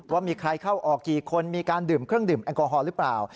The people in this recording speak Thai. ว่ามีใครเข้าออกกี่คนมีการดื่มเครื่องดื่มแอลกอฮอล์หรือเปล่า